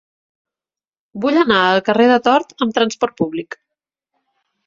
Vull anar al carrer de Tort amb trasport públic.